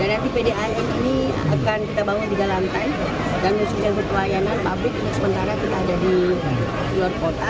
dan nanti pdam ini akan kita bangun di dalam lantai dan menunjukkan ke pelayanan pabrik yang sementara kita ada di luar kota